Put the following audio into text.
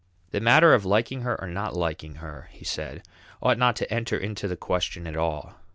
"The matter of liking her or not liking her," he said, "ought not to enter into the question at all.